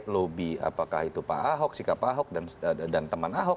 lobby apakah itu pak ahok sikap pak ahok dan teman ahok